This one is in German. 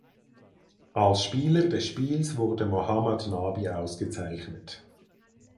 Als Spieler des Spiels wurde Mohammad Nabi ausgezeichnet.